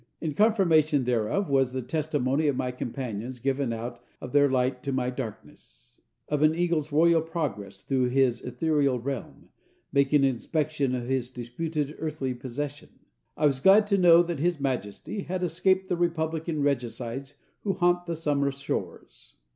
In confirmation thereof was the testimony of my companions, given out of their light to my darkness, of an eagle's royal progress through his ethereal realm, making inspection of his disputed earthly possession. I was glad to know that his majesty had escaped the republican regicides who haunt the summer shores.